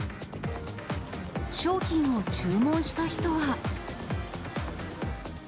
商品を注文した人は。